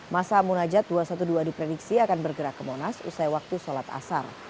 masa munajat dua ratus dua belas diprediksi akan bergerak ke monas usai waktu sholat asar